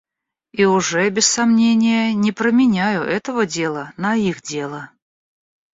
И уже, без сомнения, не променяю этого дела на их дело.